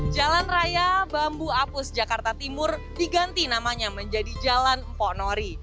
jalan raya bambu apus jakarta timur diganti namanya menjadi jalan mpok nori